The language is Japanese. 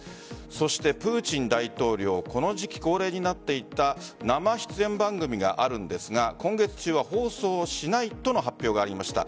そして、プーチン大統領この時期恒例になっていた生出演番組があるんですが今月中は放送しないとの発表がありました。